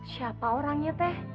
siapa orangnya teh